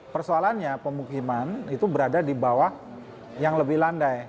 persoalannya pemukiman itu berada di bawah yang lebih landai